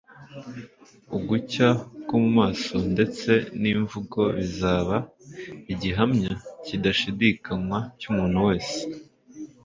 Ugucya ko mu maso ndetse n’imvugo bizaba igihamya kidashidikanywa cy'umuntu wese